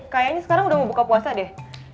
kayaknya sekarang udah mau buka puasa deh